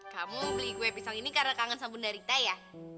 kamu beli kue pisang ini karena kangen sama ibu narita ya